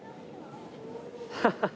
ハハハ。